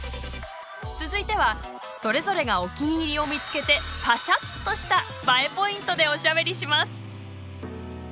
続いてはそれぞれがお気に入りを見つけてパシャッ！としたＢＡＥポイントでおしゃべりします！